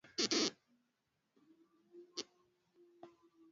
watu wengi hadi sasa wanaishi na ugonjwa wa upungufu wa kinga mwilini